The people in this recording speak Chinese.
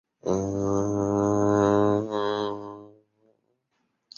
锯齿螈捍卫了自己的领地。